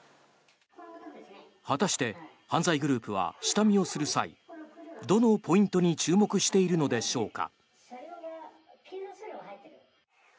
果たして、犯罪グループは下見をする際どのポイントに注目しているのでしょうか。